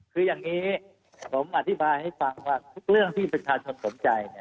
คืออย่างนี้ผมอธิบายให้ฟังว่าทุกเรื่องที่ประชาชนสนใจ